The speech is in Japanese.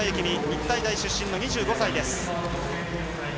日体大出身の２５歳です。